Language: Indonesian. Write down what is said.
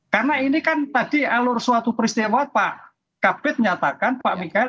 karena ini kan tadi alur suatu peristiwa pak kabir menyatakan pak mikael